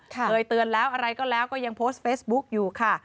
เคยเตือนแล้วอะไรก็แล้วก็ยังโพสต์เฟซบุ๊กอยู่ค่ะ